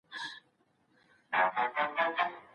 فارابي وايي چي په فاضله ښار کي اخلاق مهم دي.